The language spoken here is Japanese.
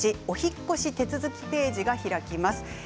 お引っ越し手続きページが開きます。